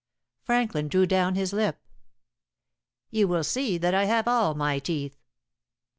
Franklin drew down his lip. "You will see that I have all my teeth."